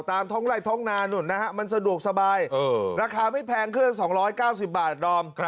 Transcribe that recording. ตามท้องไล่ท้องนานุ่นนะฮะมันสะดวกสบายราคาไม่แพงเครื่องละ๒๙๐บาทดอม